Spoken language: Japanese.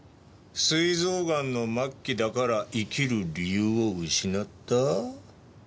すい臓がんの末期だから生きる理由を失った？